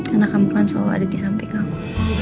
karena kamu kan selalu ada di samping kamu